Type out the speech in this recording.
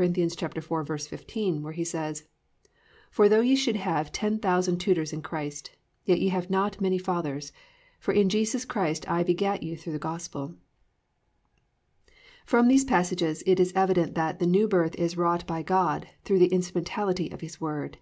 4:15, where he says: +"For though ye should have ten thousand tutors in Christ, yet have ye not many fathers: for in Christ Jesus I begat you through the gospel."+ From these passages it is evident that the New Birth is wrought by God through the instrumentality of His Word.